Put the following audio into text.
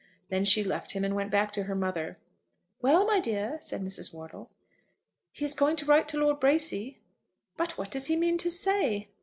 Then she left him, and went back to her mother. "Well, my dear," said Mrs. Wortle. "He is going to write to Lord Bracy." "But what does he mean to say?"